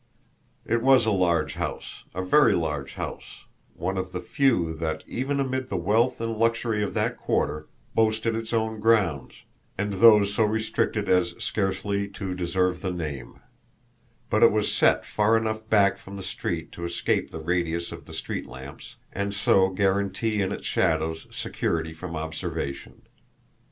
It was a large house, a very large house, one of the few that, even amid the wealth and luxury of that quarter, boasted its own grounds, and those so restricted as scarcely to deserve the name; but it was set far enough back from the street to escape the radius of the street lamps, and so guarantee in its shadows security from observation.